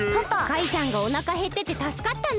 カイさんがおなかへっててたすかったね。